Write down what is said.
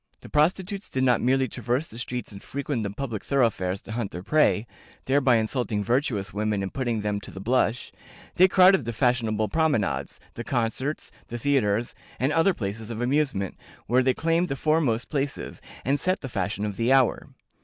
The prostitutes did not merely traverse the streets and frequent the public thoroughfares to hunt their prey, thereby insulting virtuous women and putting them to the blush, they crowded the fashionable promenades, the concerts, the theatres, and other places of amusement, where they claimed the foremost places, and set the fashion of the hour.